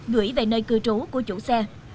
gửi về nơi cư trú của chủ xe